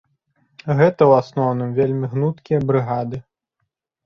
Гэта, у асноўным, вельмі гнуткія брыгады.